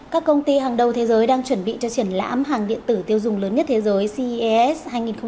các công ty hàng đầu thế giới đang chuẩn bị cho triển lãm hàng điện tử tiêu dùng lớn nhất thế giới ces hai nghìn hai mươi bốn